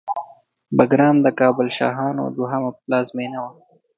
بګرام د کابل شاهانو دوهمه پلازمېنه وه